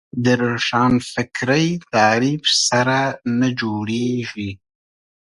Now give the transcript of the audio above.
د روښانفکري تعریف سره نه جوړېږي